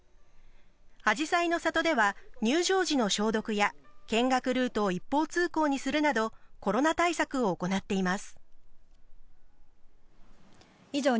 あじさいの里では入場時の消毒や見学ルートを一方通行にするなどコロナ対策を行っています。